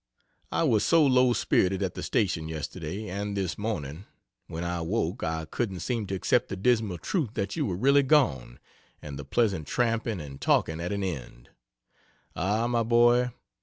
I was so low spirited at the station yesterday, and this morning, when I woke, I couldn't seem to accept the dismal truth that you were really gone, and the pleasant tramping and talking at an end. Ah, my boy!